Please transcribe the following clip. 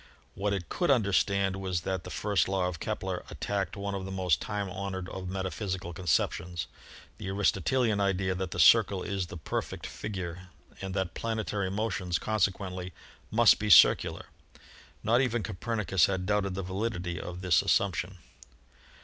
What it could understand was that the first law of Kepler attacked one of the most time honored of metaphysical conceptions — the Aristotelian idea that the circle is the perfect figure and that planetary motions consequently must be circular. Not even Copernicus had doubted the validity of this as sumption.